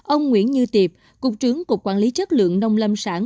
ông nguyễn như tiệp cục trưởng cục quản lý chất lượng nông lâm sản